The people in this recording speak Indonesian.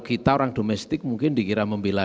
kita orang domestik mungkin dikira membela